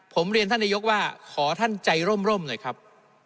ผมเรียนท่านนายกว่าขอท่านใจร่มหน่อยครับ